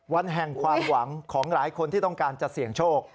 วันแห่งความหวังของหลายคนที่ต้องการจะเสี่ยงโชค